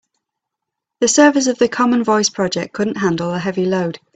The servers of the common voice project couldn't handle the heavy load.